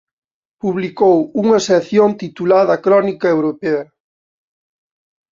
Publicou unha sección titulada Crónica europea.